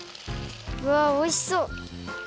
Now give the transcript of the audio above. うわおいしそう！